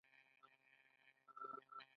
دې پروژې ډیر لګښت درلود.